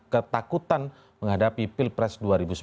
ketakutan menghadapi pilpres dua ribu sembilan belas